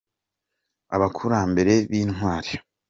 Abakurambere b’intwari